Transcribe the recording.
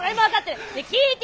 聞いて！